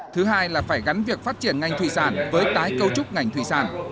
thứ hai là phải gắn việc phát triển ngành thủy sản với tái cấu trúc ngành thủy sản